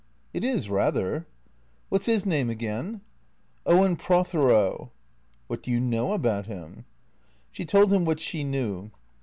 " It is, rather." " What 's his name again ?"*' Owen Prothero." " What do you know about him." She told him what she knew.